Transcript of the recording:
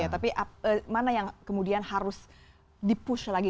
tapi mana yang kemudian harus di push lagi